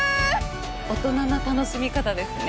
大人な楽しみ方ですね。